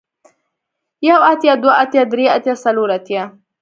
يو اتيا دوه اتيا درې اتيا څلور اتيا